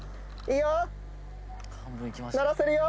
いいよ。